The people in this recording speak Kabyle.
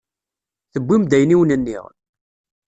Tewwim-d ayen i wen-nniɣ?